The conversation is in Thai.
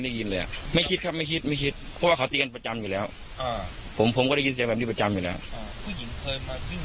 ก็พูดแล้วผู้ชายก็เดินกลับพอผู้ชายเดินกลับผู้หญิงเขาก็เดินกลับตามไปด้วย